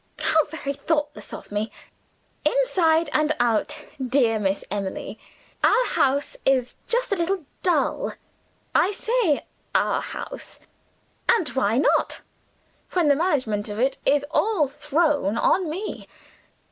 How very thoughtless of me! Inside and out, dear Miss Emily, our house is just a little dull. I say our house, and why not when the management of it is all thrown on me.